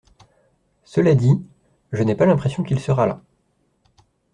Cela dit, je n'ai pas l'impression qu'il sera là.